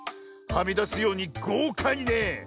はみだすようにごうかいにね。